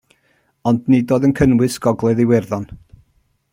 Ond, nid oedd yn cynnwys Gogledd Iwerddon.